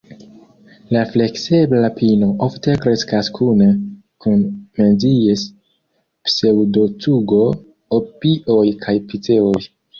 La fleksebla pino ofte kreskas kune kun Menzies-pseŭdocugo, abioj kaj piceoj.